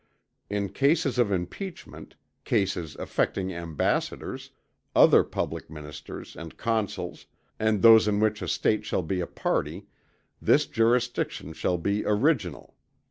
In cases of Impeachment, cases affecting Ambassadors, other Public Ministers and Consuls, and those in which a State shall be a party, this Jurisdiction shall be original.